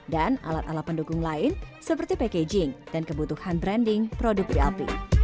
dan alat alat pendukung lain seperti packaging dan kebutuhan branding produk blp